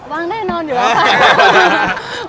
ว่างแน่นอนอยู่นะคะ